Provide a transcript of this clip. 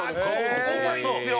ここうまいんですよ」